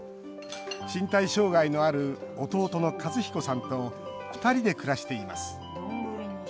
身体障害のある弟のカズヒコさんと２人で暮らしています